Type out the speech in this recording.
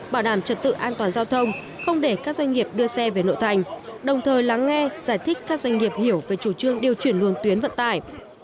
bảo đảm trật tự an toàn giao thông không để các doanh nghiệp đưa xe về nội thành đồng thời lắng nghe giải thích các doanh nghiệp hiểu về chủ trương điều chuyển luồng tuyến vận tải